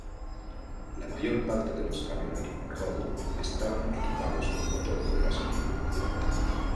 La mayor parte de los camiones Robur estaban equipados con motores de gasolina.